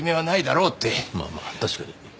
まあまあ確かに。